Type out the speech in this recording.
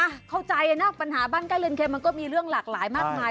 อ่ะเข้าใจนะปัญหาบ้านใกล้เรือนเคมันก็มีเรื่องหลากหลายมากมาย